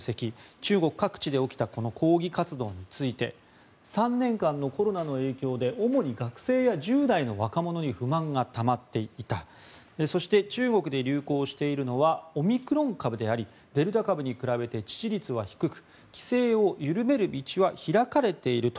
中国各地で起きた抗議活動について３年間のコロナの影響で主に学生や１０代の若者に不満がたまっていたそして中国で流行しているのはオミクロン株でありデルタ株に比べて致死率は低く規制を緩める道は開かれていると。